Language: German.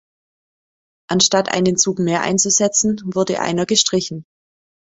Anstatt einen Zug mehr einzusetzen, wurde einer gestrichen.